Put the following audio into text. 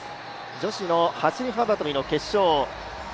女子の走り幅跳びの決勝。